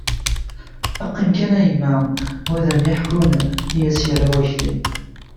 - Qqim kan a yemma, wa ad am-yeḥkun! I as-yerra Wakli.